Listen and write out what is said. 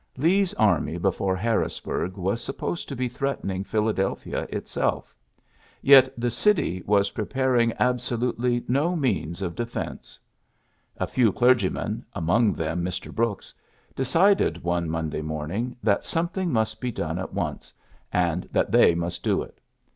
Lee^s army before Harrisburg was supposed to be threatening Phila delphia itself. Yet the city was pre paring absolutely no means of defence. 28 PHILLIPS BEOOKS A few clergymen, among them Mr. Brooks, decided one Monday morning that something must be done at once, and that they must do it.